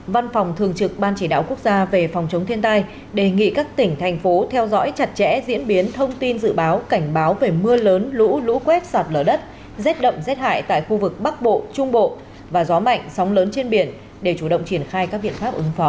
văn phòng thường trực ban chỉ đạo quốc gia về phòng chống thiên tai đề nghị các tỉnh thành phố theo dõi chặt chẽ diễn biến thông tin dự báo cảnh báo về mưa lớn lũ lũ quét sạt lở đất rét đậm rét hại tại khu vực bắc bộ trung bộ và gió mạnh sóng lớn trên biển để chủ động triển khai các biện pháp ứng phó